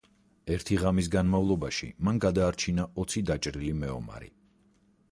ერთი ღამის განმავლობაში მან გადაარჩინა ოცი დაჭრილი მეომარი.